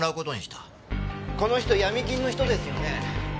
この人闇金の人ですよね？